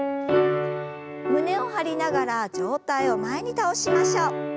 胸を張りながら上体を前に倒しましょう。